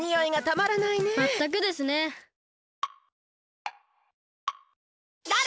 まったくですね。だれ！？